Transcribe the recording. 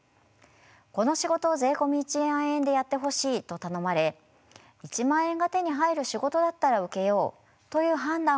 「この仕事を税込１万円でやってほしい」と頼まれ「１万円が手に入る仕事だったら受けよう」という判断をして引き受けているのです。